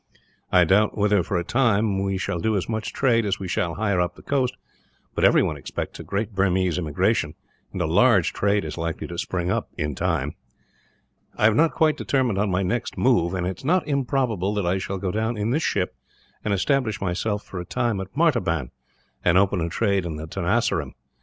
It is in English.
I doubt whether, for a time, we shall do as much trade as we shall higher up the coast; but everyone expects a great Burmese immigration, and a large trade is likely to spring up, in time. "I have not quite determined on my next move, and it is not improbable that I shall go down in this ship and establish myself, for a time, at Martaban; and open a trade in Tenasserim.